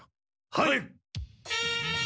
はい！